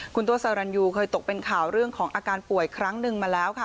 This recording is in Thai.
คุณตัวสรรยูเคยตกเป็นข่าวเรื่องของอาการป่วยครั้งหนึ่งมาแล้วค่ะ